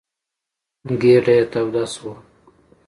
ګېډه یې توده شوه.